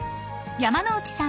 山之内さん